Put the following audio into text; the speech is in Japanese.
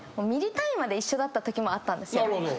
ミリ単位まで一緒だったときもあったんですよ。